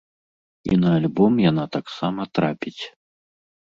І на альбом яна таксама трапіць.